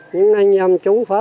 những anh em chúng pháp